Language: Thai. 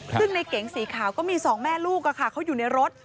ซึ่งในเก๋งสีขาวก็มี๒แม่ลูกก่ะค่ะเขาอยู่ในรถ